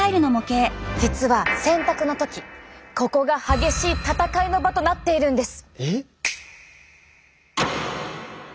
実は洗濯の時ここが激しい闘いの場となっているんです。